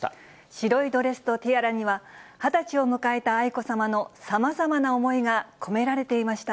白いドレスとティアラには、２０歳を迎えた愛子さまのさまざまな思いが込められていました。